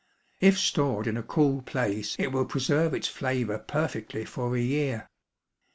If stored in a cool place it will preserve its flavor perfectly for a year.